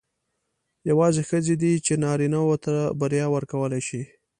یوازې ښځې دي چې نارینه وو ته بریا ورکولای شي.